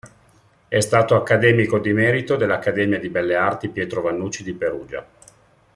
È stato Accademico di merito dell'Accademia di Belle Arti Pietro Vannucci di Perugia.